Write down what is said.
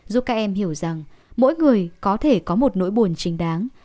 giúp các em hiểu rằng mỗi người có thể có một nỗi buồn chính đáng